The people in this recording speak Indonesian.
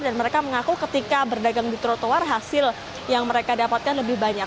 dan mereka mengaku ketika berdagang di trotoar hasil yang mereka dapatkan lebih banyak